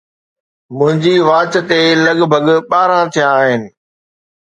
منهنجي واچ تي لڳ ڀڳ ٻارهن ٿيا آهن